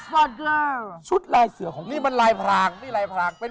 วันนี้แม่หมอแหม่มก็แต่งตัวแบงก็แต่งตัวแบงก์สปอร์ต